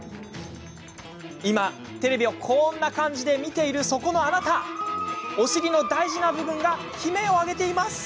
今、テレビをこんな感じで見ているそこのあなたお尻の大事な部分が悲鳴を上げていますよ。